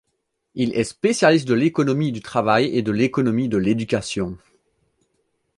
Il est spécialiste de l'économie du travail et de l'économie de l'éducation.